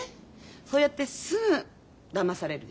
そうやってすぐだまされるでしょ。